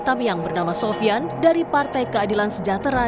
tamyang bernama sofyan dari partai keadilan sejahtera